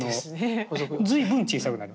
随分小さくなる。